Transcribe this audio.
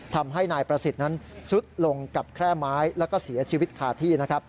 ทำให้นายประสิทธิ์นั้นซุดลงกับแคร่ไม้แล้วก็เสียชีวิตคาที่นะครับ